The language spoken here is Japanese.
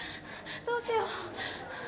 どうしよう。